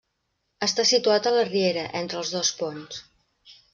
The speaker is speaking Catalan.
Està situat a la riera, entre els dos ponts.